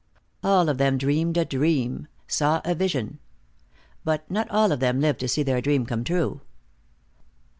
All of them dreamed a dream, saw a vision. But not all of them lived to see their dream come true.